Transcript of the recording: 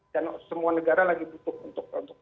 dan semua negara lagi butuh untuk perusahaan